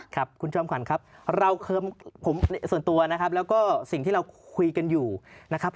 ครับคุณจอมขวัญครับเราส่วนตัวนะครับแล้วก็สิ่งที่เราคุยกันอยู่นะครับ